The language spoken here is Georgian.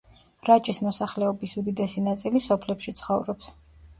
რაჭის მოსახლეობის უდიდესი ნაწილი სოფლებში ცხოვრობს.